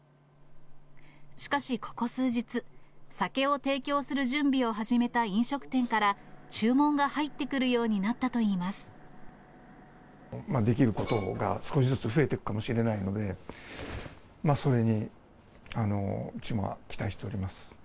しかしここ数日、酒を提供する準備を始めた飲食店から注文が入ってくるようになっできることが少しずつ増えていくかもしれないので、それに期待しております。